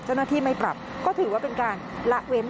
เจ้าหน้าที่ไม่ปรับก็ถือว่าเป็นการละเว้น